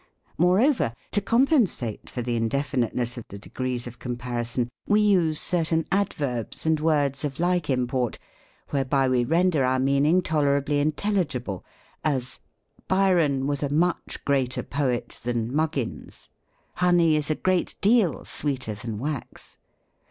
Moreover, to compensate for the indefinitencss of the degrees of comparison, we use certain adverbs and words of like import, whereby we render our meaning tolerably intelligible ; as, " Byron was a imich greater poet than Muggins." " Honey is a great deal sweeter than wax."